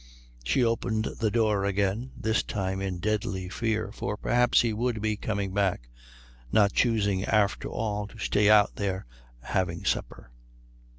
She opened the door again, this time in deadly fear, for perhaps he would be coming back, not choosing after all to stay out there having supper.